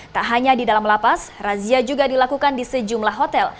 tak hanya di dalam lapas razia juga dilakukan di sejumlah hotel